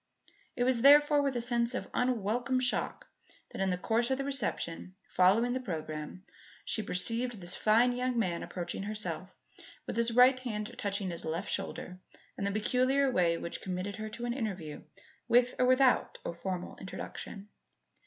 It was therefore with a sense of unwelcome shock that, in the course of the reception following the programme, she perceived this fine young man approaching herself, with his right hand touching his left shoulder in the peculiar way which committed her to an interview with or without a formal introduction.